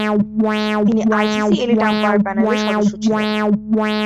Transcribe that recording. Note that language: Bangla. তিনি আইসিসি এলিট আম্পায়ার প্যানেলের সদস্য ছিলেন।